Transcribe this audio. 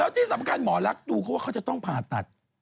แล้วที่สำคัญหมอลักษณ์ดูเค้าจะต้องผ่าตัด